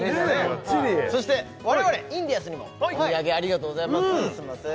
バッチリそして我々インディアンスにもお土産ありがとうございますすんません